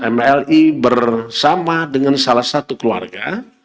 mli bersama dengan salah satu keluarga